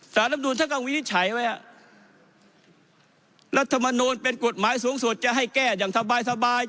สารรับดูลทั้งกลางวินิจฉัยไว้ฮะรัฐมนตร์เป็นกฎหมายสูงสุดจะให้แก้อย่างสบายสบาย